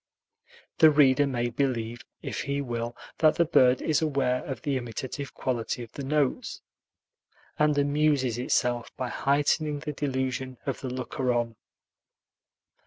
The reader may believe, if he will, that the bird is aware of the imitative quality of the notes, and amuses itself by heightening the delusion of the looker on.